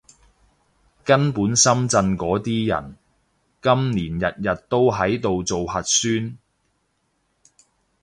根本深圳嗰啲人，今年日日都喺度做核酸